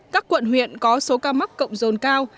các quận huyện có số ca mắc cộng dồn cao